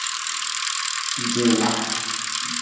Dila.